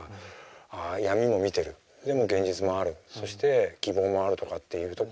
ああ闇も見てるでも現実もあるそして希望もあるとかっていうところのさ